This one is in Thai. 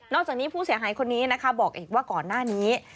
จากนี้ผู้เสียหายคนนี้นะคะบอกอีกว่าก่อนหน้านี้